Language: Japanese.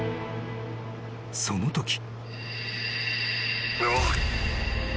そのとき］